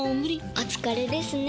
お疲れですね。